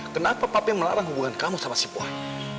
kenapa papi melarang hubungan kamu sama si poi